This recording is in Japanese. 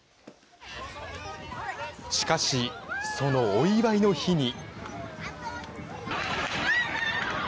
しかし、そのお祝いの日に。